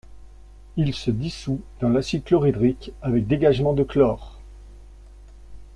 Il se dissout dans l’acide chlorhydrique avec dégagement de chlore.